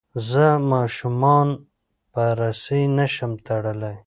زه ماشومان په رسۍ نه شم تړلی.